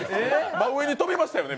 真上に跳びましたよね